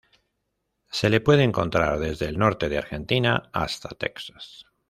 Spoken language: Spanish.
Se le puede encontrar desde el norte de Argentina hasta Texas.